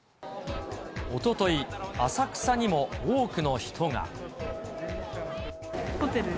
おととい、浅草にも多くの人ホテル？